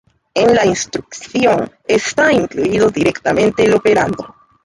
En la instrucción está incluido directamente el operando.